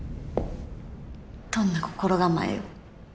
どんな心構えを？